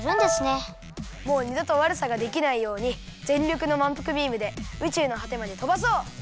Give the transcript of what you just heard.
もう２どとわるさができないようにぜんりょくのまんぷくビームで宇宙のはてまでとばそう！